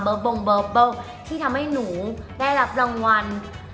เบบบ่มเบบบ่มที่ทำให้หนูได้รับรางวัล